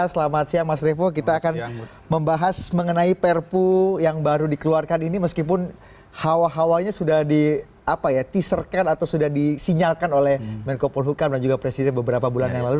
selamat siang mas revo kita akan membahas mengenai perpu yang baru dikeluarkan ini meskipun hawa hawanya sudah teaserkan atau sudah disinyalkan oleh menko polhukam dan juga presiden beberapa bulan yang lalu